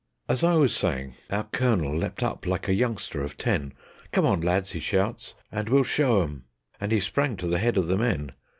As I was saying, our Colonel leaped up like a youngster of ten: "Come on, lads!" he shouts, "and we'll show 'em." And he sprang to the head of the men.